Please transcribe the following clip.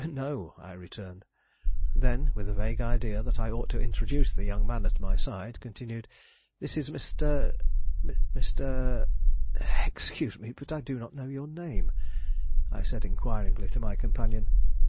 "No," I returned. Then, with a vague idea that I ought to introduce the young man at my side, continued: "This is Mr. , Mr. , excuse me, but I do not know your name," I said inquiringly to my companion.